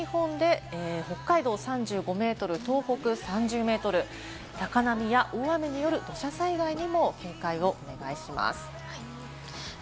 北日本で北海道３５メートル、東北３０メートル、高波や大雨による土砂災害にも警戒をお願いします。